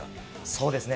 そうですね。